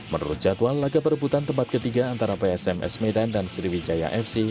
menurut jadwal laga perebutan tempat ketiga antara psms medan dan sriwijaya fc